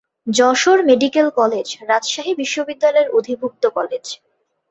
Jessore medical college Rajshahi বিশ্ববিদ্যালয়ের অধিভুক্ত college.